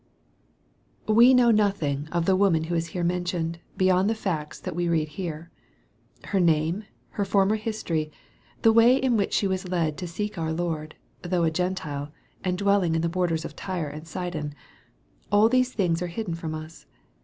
MARK, CHAP. VII. 145 WE know nothing of the woman who is here mentioned, beyond the facts that we here read. Her name, her former history, the way in which she was led to seek our Lord, though a Gentile, and dwelling in the borders of Tyre and Sidon all these things are hidden from us.